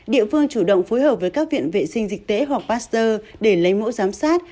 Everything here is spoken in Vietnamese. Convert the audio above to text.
địa phương chủ động phối hợp với các viện vệ sinh dịch tễ hoặc pasteur để lấy mẫu giám sát